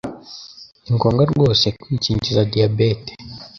Ni ngombwa rwose kwikingiza diabete